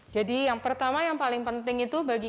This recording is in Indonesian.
jadi yang pertama yang paling penting itu bagi kita